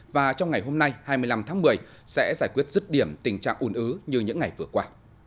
và trong ngày hôm nay hai mươi năm tháng một mươi sẽ giải quyết rứt điểm tình trạng ủn ứ như những ngày vừa qua